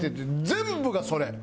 全部がそれ。